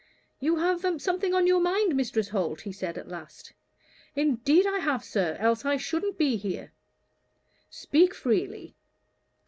"You have something on your mind, Mrs. Holt?" he said, at last. "Indeed I have, sir, else I shouldn't be here." "Speak freely."